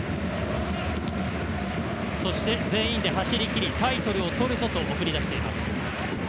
そして全員で走りきりタイトルをとるぞと送り出しています。